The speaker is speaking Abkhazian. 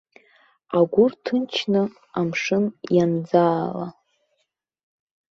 Агәы рҭынчны амшын ианӡаала.